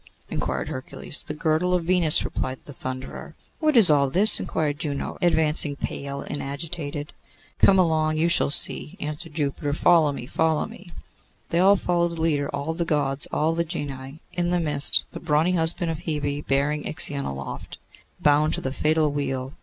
inquired Hercules. 'The girdle of Venus,' replied the Thunderer. 'What is all this?' inquired Juno, advancing, pale and agitated. 'Come along; you shall see,' answered Jupiter. 'Follow me, follow me.' They all followed the leader, all the Gods, all the genii; in the midst, the brawny husband of Hebe bearing Ixion aloft, bound to the fatal wheel.